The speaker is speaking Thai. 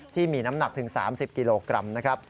ที่มีน้ำหนักถึง๓๐กิโลกรัมนะครับ